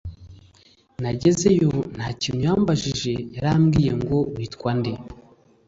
nagezeyo nta kindi yambajije yarambwiye ngo witwa nde